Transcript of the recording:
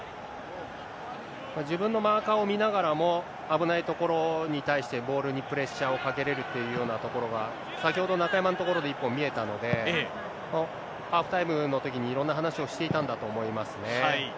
自分のマーカーを見ながらも、危ないところに対して、ボールにプレッシャーをかけれるっていうようなところが、先ほど、中山のところで一本、見えたので、ハーフタイムのときに、いろんな話をしていたんだと思いますね。